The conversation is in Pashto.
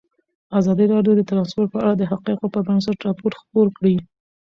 ازادي راډیو د ترانسپورټ په اړه د حقایقو پر بنسټ راپور خپور کړی.